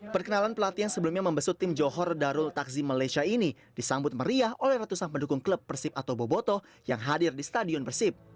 perkenalan pelatih yang sebelumnya membesut tim johor darul takzi malaysia ini disambut meriah oleh ratusan pendukung klub persib atau boboto yang hadir di stadion persib